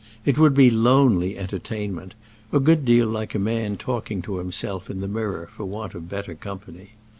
It would be lonely entertainment—a good deal like a man talking to himself in the mirror for want of better company.